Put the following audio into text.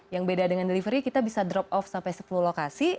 yang beda dengan delivery kita bisa drop off sampai sepuluh lokasi